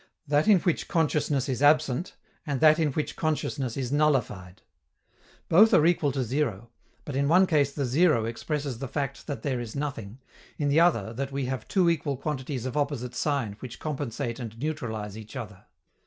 that in which consciousness is absent, and that in which consciousness is nullified. Both are equal to zero, but in one case the zero expresses the fact that there is nothing, in the other that we have two equal quantities of opposite sign which compensate and neutralize each other.